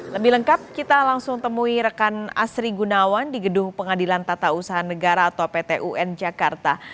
lebih lengkap kita langsung temui rekan asri gunawan di gedung pengadilan tata usaha negara atau pt un jakarta